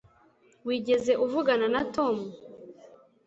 wigeze uvugana na tom